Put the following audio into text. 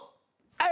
はい！